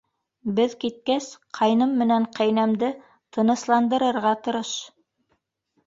Беҙ киткәс, ҡайным менән ҡәйнәмде тынысландырырға тырыш.